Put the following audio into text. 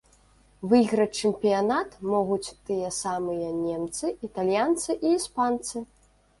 Выйграць чэмпіянат могуць тыя самыя немцы, італьянцы і іспанцы.